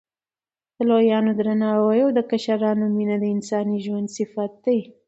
د لویانو درناوی او د کشرانو مینه د انساني ژوند صفت دی.